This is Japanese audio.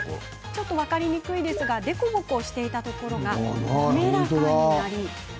ちょっと分かりにくいですが凸凹していたところが滑らかになり